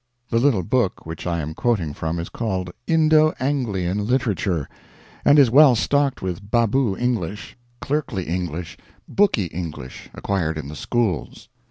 The little book which I am quoting from is called "Indo Anglian Literature," and is well stocked with "baboo" English clerkly English, booky English, acquired in the schools.